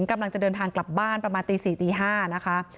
กำลังจะเดินทางกลับบ้านประมาณตี๔ตี๕นะคะ